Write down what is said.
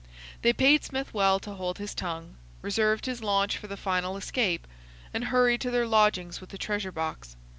They paid Smith well to hold his tongue, reserved his launch for the final escape, and hurried to their lodgings with the treasure box.